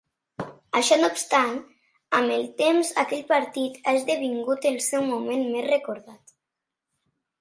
Això no obstant, amb el temps aquell partit ha esdevingut el seu moment més recordat.